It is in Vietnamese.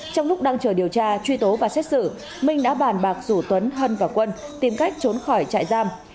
trong lúc đang chờ điều tra truy tố và xét xử minh đã bàn bạc rủ tuấn hân và quân tìm cách trốn khỏi trại giam